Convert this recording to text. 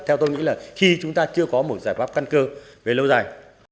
theo tôi nghĩ là khi chúng ta chưa có một giải pháp căn cơ về lâu dài